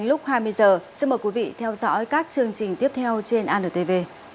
đến lúc hai mươi h xin mời quý vị theo dõi các chương trình tiếp theo trên anntv